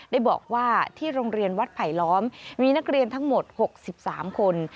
ได้บอกว่าที่โรงเรียนวัดไผลล้อมมีนักเรียนทั้งหมด๖๓คน